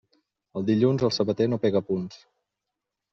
El dilluns, el sabater no pega punts.